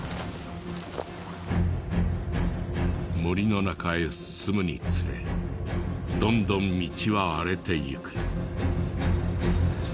森の中へ進むにつれどんどん道は荒れてゆく。